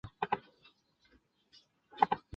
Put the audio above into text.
冷链品质指标所订定的统一规范准则。